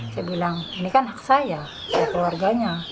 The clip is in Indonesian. saya bilang ini kan hak saya keluarganya